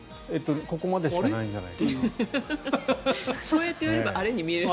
ここまでしかないんじゃないかな。